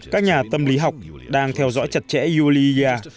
các nhà tâm lý học đang theo dõi chặt chẽ yoli